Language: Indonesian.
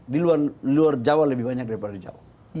di luar jawa lebih banyak daripada di jawa